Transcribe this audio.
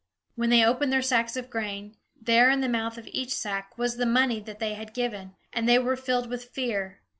When they opened their sacks of grain, there in the mouth of each sack was the money that they had given; and they were filled with fear.